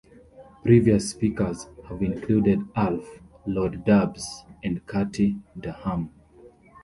Previous speakers have included Alf, Lord Dubs and Katie Derham.